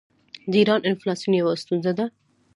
د ایران انفلاسیون یوه ستونزه ده.